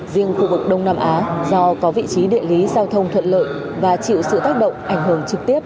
riêng khu vực đông nam á do có vị trí địa lý giao thông thuận lợi và chịu sự tác động ảnh hưởng trực tiếp